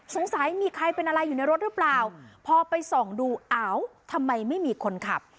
สงสัยมีใครเป็นอะไรอยู่ในรถหรือเปล่าพอไปส่องดูอ้าวทำไมไม่มีคนขับ